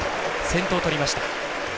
先頭とりました。